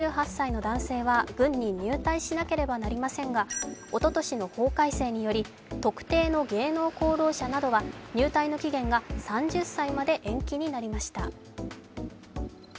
韓国では原則、１８歳から２８歳の男性は軍に入隊しなければなりませんがおととしの法改正により、特定の芸能功労者などは入隊の期限が３０歳まで延期になりました。